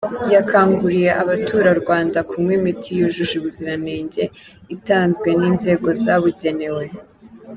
Yakanguriye abaturarwanda kunywa imiti yujuje ubuziranenge, itanzwe n’inzego zabugenewe.